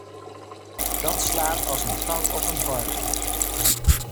Dat slaat als een tang op een varken.